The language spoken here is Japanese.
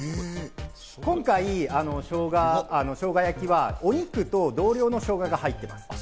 今回、しょうが焼きはお肉と同量のしょうがが入っております。